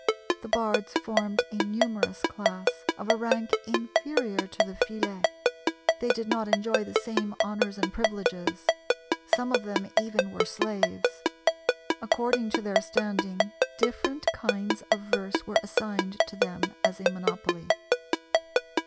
The bards formed a numerous class, of a rank inferior to the filé; they did not enjoy the same honors and privileges; some of them even were slaves; according to their standing, different kinds of verse were assigned to them as a monopoly.